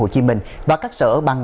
và các sở ban ngành đã có buổi làm việc